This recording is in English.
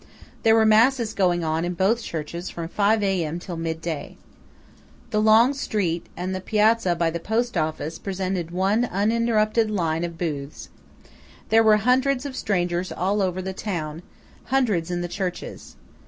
There were masses going on in both churches from five A.M. till mid day. The long street and the piazza by the post office presented one uninterrupted line of booths. There were hundreds of strangers all over the town; hundreds in the churches.